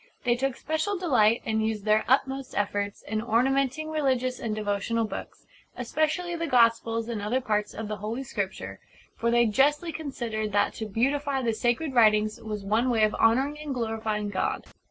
They took special delight, and used their utmost efforts, in ornamenting religious and devotional books, especially the Gospels and other parts of the Holy Scripture; for they justly considered that to beautify the sacred writings was one way of honouring and glorifying God.